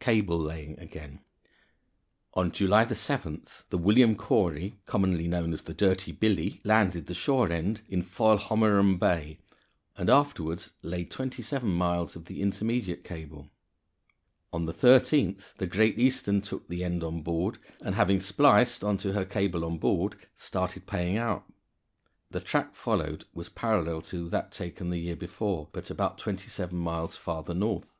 Cable Laying again. On July 7th the William Cory commonly known as the Dirty Billy landed the shore end in Foilhommerum Bay, and afterward laid twenty seven miles of the intermediate cable. On the 13th, the Great Eastern took the end on board, and having spliced on to her cable on board, started paying out. The track followed was parallel to that taken the year before, but about twenty seven miles farther north.